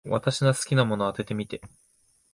私の好きなもの、当ててみて。